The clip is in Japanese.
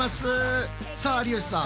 さあ有吉さん